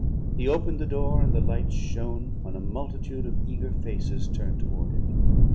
He opened the door, and the lights shone on a multitude of eager faces turned toward it.